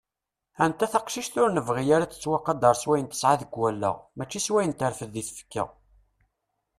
Anta taqcict ur nebɣi ara ad tettwaqader s wayen tesɛa deg wallaɣ mačči s wayen terfed deg tfekka.